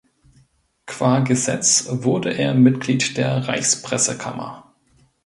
Qua Gesetz wurde er Mitglied der Reichspressekammer.